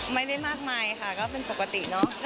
ไม่ได้มากมายค่ะก็เป็นปกติเนอะ